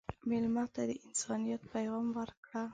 مېلمه ته د انسانیت پیغام ورکړه.